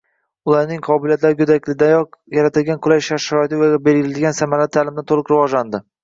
Ularning qobiliyati goʻdaklikdanoq yaratilgan qulay shart-sharoit va berilgan samarali taʼlimdan toʻliq rivojlandi.